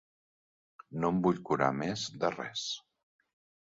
No em vull curar més de res.